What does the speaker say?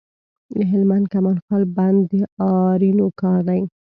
د هلمند کمال خان بند د آرینو کار دی